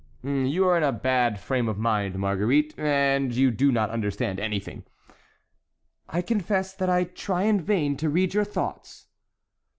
"You are in a bad frame of mind, Marguerite, and you do not understand anything." "I confess that I try in vain to read your thoughts."